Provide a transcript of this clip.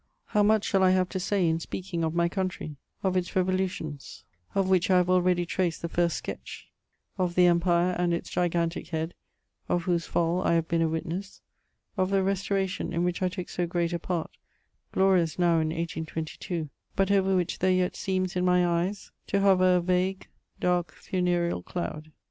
How much shall I have to say in speaking of my country, of its revolutions, of which I have already traced the first sketch ; of the Empire and its gigantic head, of whose fall 1 have been a vntness ; of the Restoration, in which I took so great a part, glorious now in 1822, but over which there yet seems in my eyes to hover a vague, dark, funereal cloud